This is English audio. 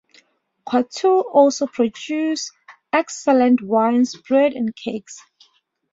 Quartu also produces excellent wines, bread and cakes.